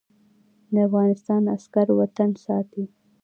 د افغانستان عسکر وطن ساتي